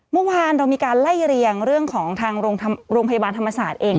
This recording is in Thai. เมื่อวานเรามีการไล่เรียงเรื่องของทางโรงพยาบาลธรรมศาสตร์เอง